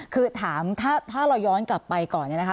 คือถามถ้าเราย้อนกลับไปก่อนเนี่ยนะคะ